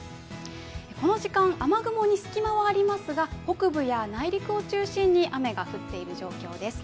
この時間、雨雲に隙間はありますが北部や内陸を中心に雨が降っている状況です。